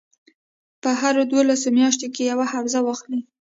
په هرو دولسو میاشتو کې یوه حوزه واخلي.